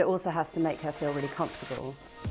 tapi juga harus membuatnya terasa sangat nyaman